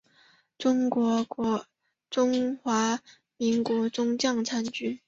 中华民国中将参军。